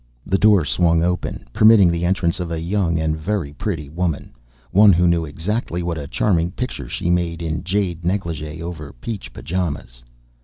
The door swung open, permitting the entrance of a young and very pretty woman, one who knew exactly what a charming picture she made in jade negligee over peach pajamas.